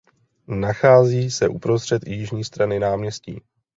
Nachází se uprostřed jižní strany náměstí.